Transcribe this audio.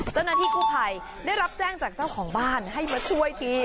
เจ้าหน้าที่กู้ภัยได้รับแจ้งจากเจ้าของบ้านให้มาช่วยที